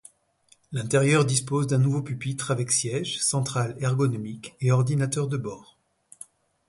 L'intérieur dispose d'un nouveau pupitre avec siège central ergonomique et ordinateur de bord.